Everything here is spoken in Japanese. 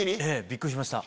びっくりしました。